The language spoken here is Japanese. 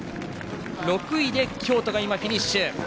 ６位で京都がフィニッシュ。